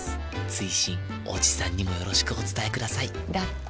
追伸おじさんにもよろしくお伝えくださいだって。